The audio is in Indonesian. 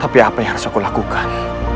tapi apa yang harus aku lakukan